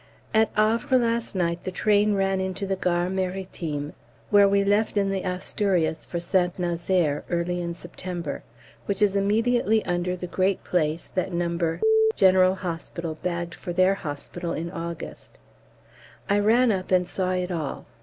At Havre last night the train ran into the Gare Maritime (where we left in the Asturias for St Nazaire early in September), which is immediately under the great place that No. G.H. bagged for their Hospital in August. I ran up and saw it all.